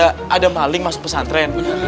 ada maling masuk pesantren